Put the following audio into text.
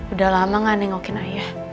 udah lama gak nengokin ayah